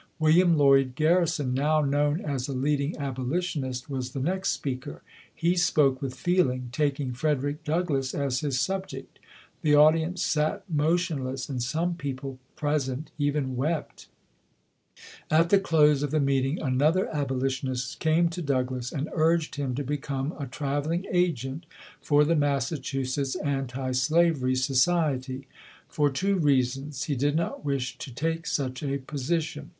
William Lloyd Garrison, now known as a leading abolitionist, was the next speaker. He spoke with feeling, taking Frederick Doug lass as his subject. The audience sat motionless and some people present even wept. FREDERICK DOUGLASS [ 31 At the close of the meeting, another abolitionist came to Douglass and urged him to become a traveling agent for the Massachusetts Anti Sla very Society. For two reasons, he did not wish to take such a position.